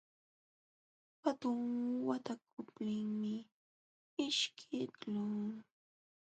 Watum wataqluptii ishkiqlun.